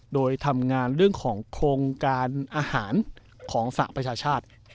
โดยทำงานเรื่องของโครงการอาหารของสหประชาชาติ